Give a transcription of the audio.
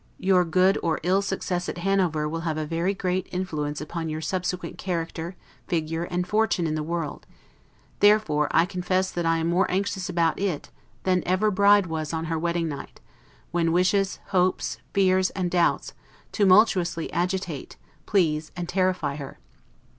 Your good or ill success at Hanover will have a very great influence upon your subsequent character, figure, and fortune in the world; therefore I confess that I am more anxious about it, than ever bride was on her wedding night, when wishes, hopes, fears, and doubts, tumultuously agitate, please, and terrify her.